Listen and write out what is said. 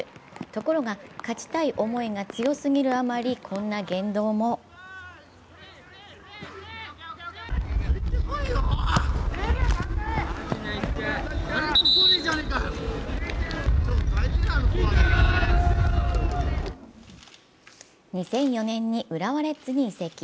ところが、勝ちたい思いが強すぎるあまりこんな言動も２００４年に浦和レッズに移籍。